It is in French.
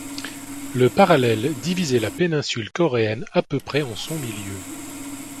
Le parallèle divisait la péninsule coréenne à peu près en son milieu.